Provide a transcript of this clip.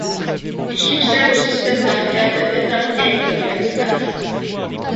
Il succède au système d'arcade d'Atari Games Flagstaff.